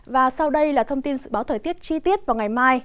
và sau đây là thông tin dự báo thời tiết chi tiết vào ngày mai